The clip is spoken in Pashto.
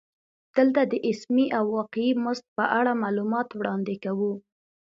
دلته د اسمي او واقعي مزد په اړه معلومات وړاندې کوو